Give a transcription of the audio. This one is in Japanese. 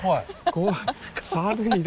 怖い。